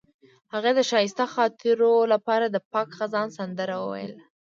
هغې د ښایسته خاطرو لپاره د پاک خزان سندره ویله.